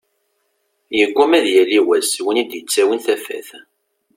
Yegguma ad yali wass win i d-yettawin tafat.